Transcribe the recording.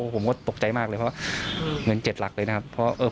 ผมก็ตกใจมากเลยเพราะว่าเงิน๗หลักเลยนะครับ